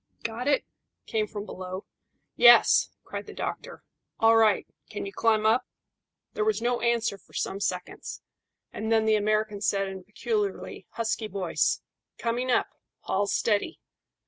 "Got it?" came from below. "Yes," cried the doctor. "All right. Can you climb up?" There was no answer for some seconds, and then the American said, in a peculiarly husky voice "Coming up. Haul steady."